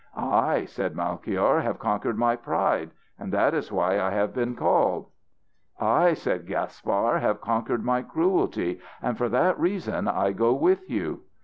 "I," said Melchior, "have conquered my pride, and that is why I have been called." "I," said Gaspar, "have conquered my cruelty, and for that reason I go with you."